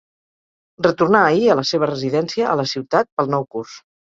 Retornà ahir a la seva residència a la ciutat pel nou curs.